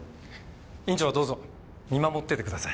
院長はどうぞ見守っててください。